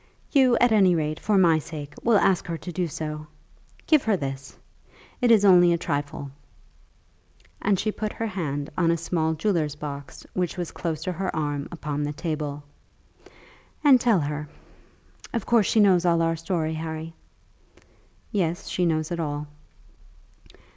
You, at any rate, for my sake, will ask her to do so. Give her this, it is only a trifle," and she put her hand on a small jeweller's box, which was close to her arm upon the table, "and tell her, of course she knows all our story, Harry?" "Yes; she knows it all."